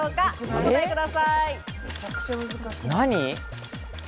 お答えください。